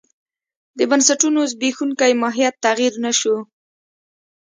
د بنسټونو زبېښونکی ماهیت تغیر نه شو.